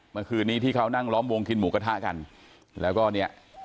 เมื่อคืนนี้ที่เขานั่งล้อมวงกินหมูกระทะกันแล้วก็เนี่ย